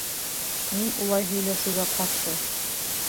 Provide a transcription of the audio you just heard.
Мин улай һөйләшеүгә ҡаршы!